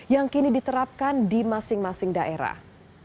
yang kini diterapkan di masing masing daerah